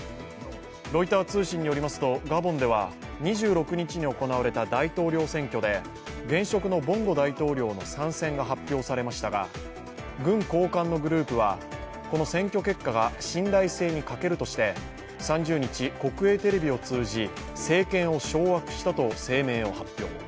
ロイター通信によりますとガボンでは２６日に行われた大統領選挙で現職のボンゴ大統領の３選が発表されましたが、軍高官のグループはこの選挙結果が信頼性に欠けるとして３０日、国営テレビを通じ政権を掌握したと声明を発表。